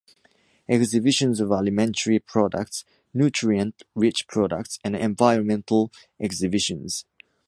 Exhibitions of alimentary products, nutrient-rich products and environmental exhibitions.